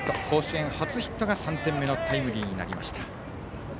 甲子園初ヒットが３点目のタイムリーになりました。